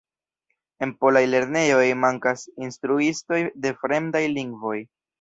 En polaj lernejoj mankas instruistoj de fremdaj lingvoj.